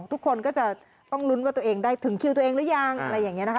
ทุกคนก็จะต้องลุ้นว่าตัวเองได้ถึงคิวตัวเองหรือยังอะไรอย่างนี้นะคะ